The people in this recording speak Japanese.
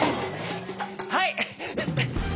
はい！